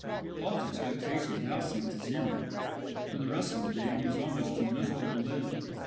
Paul's expectations now sank to zero; for the rest of the day he was almost too miserable to live.